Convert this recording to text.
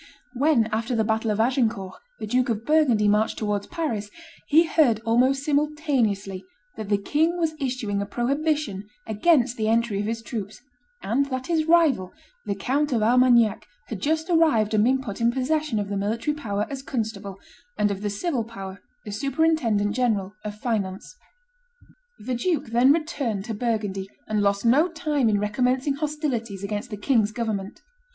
When, after the battle of Agincourt, the Duke of Burgundy marched towards Paris, he heard almost simultaneously that the king was issuing a prohibition against the entry of his troops, and that his rival, the Count of Armagnac, had just arrived and been put in possession of the military power, as constable, and of the civil power, as superintendent general of finance. The duke then returned to Burgundy, and lost no time in recommencing hostilities against the king's government.